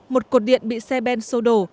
một cột điện bị xe ben sâu đổ